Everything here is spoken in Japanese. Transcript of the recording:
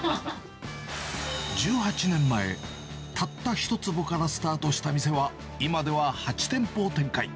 １８年前、たった１坪からスタートした店は、今では８店舗を展開。